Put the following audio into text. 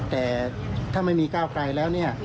แต่ถ้าไม่มีก้าวไกลแล้วเนี่ย